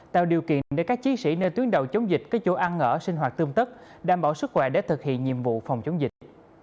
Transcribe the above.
tạo điều kiện để các chiến sĩ nơi tuyến đầu chống dịch có chỗ ăn ở sinh hoạt tươm tất đảm bảo sức khỏe để thực hiện nhiệm vụ phòng chống dịch